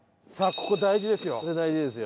これ大事ですよ。